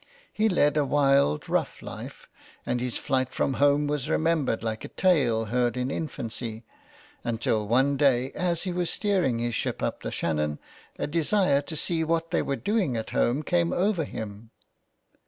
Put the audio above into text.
He led a wild, rough life, and his flight from home was remembered like a tale heard in infancy, until one day, as he was steering his ship up the Shannon, a desire to see what they were doing at home came over him.